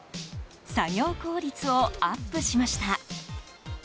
作業効率をアップしました。